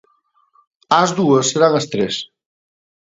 Ás dúas serán as tres.